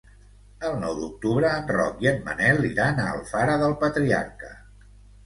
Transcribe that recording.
El nou d'octubre en Roc i en Manel iran a Alfara del Patriarca.